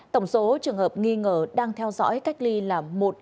tổng số trường hợp nghi ngờ đang theo dõi cách ly là một năm trăm chín mươi sáu